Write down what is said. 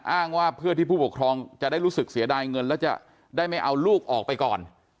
อ้างว่าเพื่อที่ผู้ปกครองจะได้รู้สึกเสียดายเงินแล้วจะได้ไม่เอาลูกออกไปก่อน